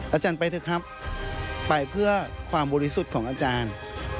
อาจารย์ไปเถอะครับไปเพื่อความบริสุทธิ์ของอาจารย์